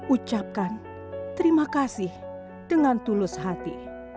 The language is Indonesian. ucapkan terima kasih dengan tulus hati